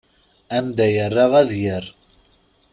Anda yerra ad yerr.